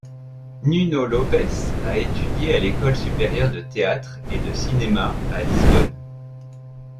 Nuno Lopes a étudié à l'École supérieure de théâtre et de cinéma à Lisbonne.